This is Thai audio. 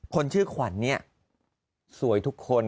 คนชื่อขวัญเนี่ยสวยทุกคน